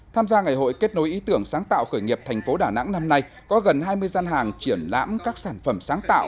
tham gia ngày hội kết nối ý tưởng sáng tạo khởi nghiệp thành phố đà nẵng năm nay có gần hai mươi gian hàng triển lãm các sản phẩm sáng tạo